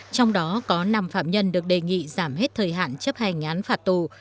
trong đó có năm phạm nhân được đề nghị giảm hết thời hạn chấp hành án phạt tù